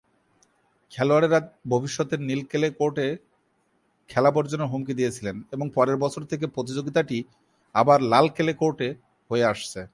খেলোয়াড়েরা ভবিষ্যতের নীল-ক্লে কোর্টে খেলা বর্জনের হুমকির দিয়েছিলেন এবং পরের বছর থেকে প্রতিযোগিতাটি আবার লাল ক্লে কোর্টে হয়ে আসছে।